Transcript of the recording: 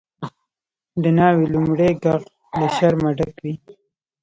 د ناوی لومړی ږغ له شرمه ډک وي.